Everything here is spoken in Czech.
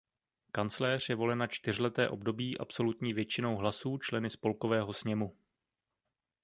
Kancléř je volen na čtyřleté období absolutní většinou hlasů členy Spolkového sněmu.